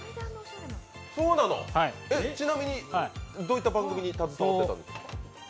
ちなみに、どういった番組に携わってたんですか？